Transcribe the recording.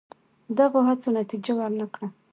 دغو هڅو نتیجه ور نه کړه.